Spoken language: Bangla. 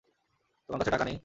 তোমার কাছে টাকা নেই?